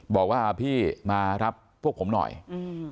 บอกว่าพี่มารับพวกผมหน่อยอืม